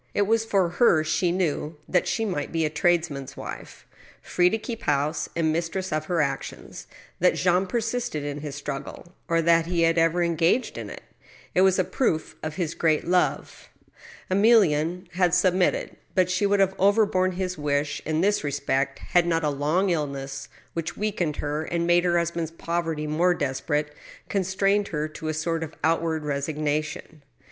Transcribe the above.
It was for her she knew — that she might be a tradesman's wife, free to keep house and mistress of her actions — ^that Jean persisted in his struggle, or that he had ever engaged in it. It was a proof of his great love. Emiiienne had submitted, but she would have overborne his wish in this respect had not a long illness, which weakened her, and made her husband's poverty more desperate, constrained her to a sort of outward resignation.